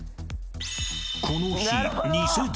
［この日］